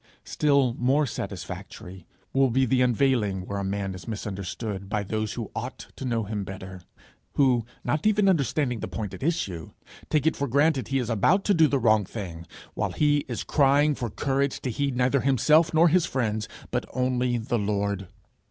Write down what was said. Still more satisfactory will be the unveiling where a man is misunderstood by those who ought to know him better who, not even understanding the point at issue, take it for granted he is about to do the wrong thing, while he is crying for courage to heed neither himself nor his friends, but only the Lord.